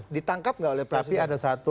ditangkap nggak oleh presiden tapi ada satu